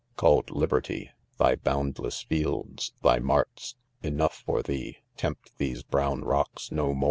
1ST \ Called Liberty, Thy boundless fields, Shy marts,— Enough For thee j tempt tfiege toiiown rocks no